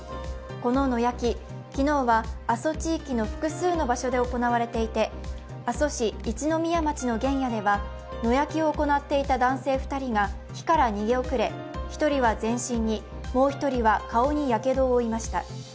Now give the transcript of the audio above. この野焼き、昨日は阿蘇地域の複数の場所で行われていて阿蘇市一の宮町の原野では、野焼きを行っていた男性２人が火から逃げ遅れ１人は全身に、もう１人は顔にやけどを負いました。